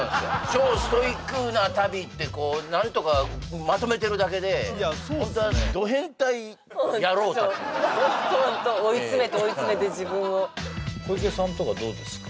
超ストイックな旅って何とかまとめてるだけでホントはホントホント追い詰めて追い詰めて自分を小池さんとかどうですか？